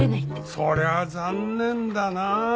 そりゃ残念だなあ。